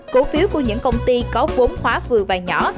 cổ phiếu của những công ty có vốn hóa vừa và nhỏ